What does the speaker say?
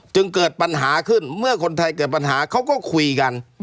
เกิดปัญหาขึ้นเมื่อคนไทยเกิดปัญหาเขาก็คุยกัน